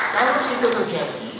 kalau itu terjadi